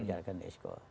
bicarakan di exco